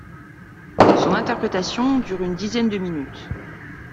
Son interprétation dure une dizaine de minutes.